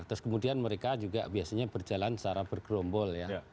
terus kemudian mereka juga biasanya berjalan secara bergerombol ya